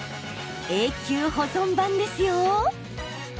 永久保存版ですよ。